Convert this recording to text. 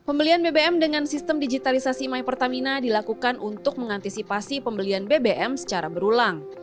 pembelian bbm dengan sistem digitalisasi my pertamina dilakukan untuk mengantisipasi pembelian bbm secara berulang